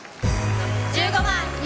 １５番「虹」。